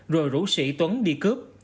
rồi rủ sĩ tuấn đi cướp